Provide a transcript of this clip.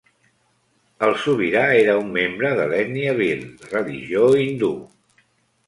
El sobirà era un membre de l'ètnia bhil, de religió hindú.